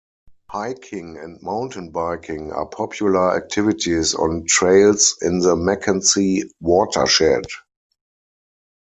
Hiking and mountain biking are popular activities on trails in the McKenzie watershed.